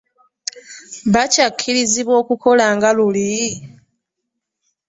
Bakyakkirizibwa okukola nga luli?